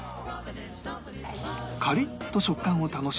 カリッと食感を楽しめる